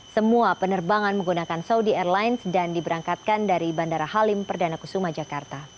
semua penerbangan menggunakan saudi airlines dan diberangkatkan dari bandara halim perdana kusuma jakarta